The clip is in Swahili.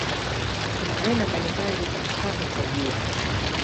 Kuna aina mbalimbali za kupatwa kwa Jua.